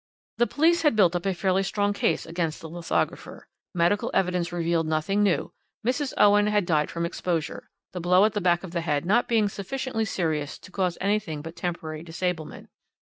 "The police had built up a fairly strong case against the lithographer. Medical evidence revealed nothing new: Mrs. Owen had died from exposure, the blow at the back of the head not being sufficiently serious to cause anything but temporary disablement.